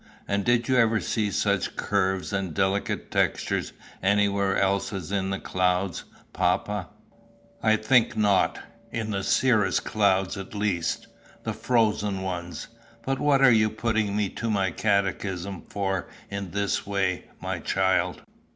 "And did you ever see such curves and delicate textures anywhere else as in the clouds, papa?" "I think not in the cirrhous clouds at least the frozen ones. But what are you putting me to my catechism for in this way, my child?"